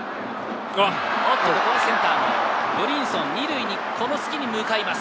センター、ブリンソン、２塁にこの隙に向かいます。